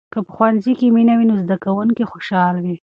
که په ښوونځي کې مینه وي، نو زده کوونکي خوشحال وي.